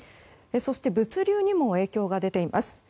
そして物流にも影響が出ています。